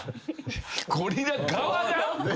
ゴリラ側が！？